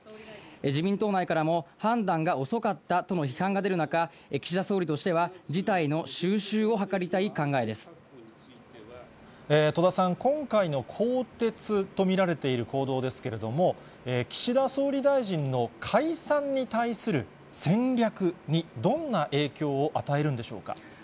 自民党内からも、判断が遅かったとの批判が出る中、岸田総理としては、戸田さん、今回の更迭と見られている報道ですけれども、岸田総理大臣の解散に対する戦略にどんな影響を与えるんでしょう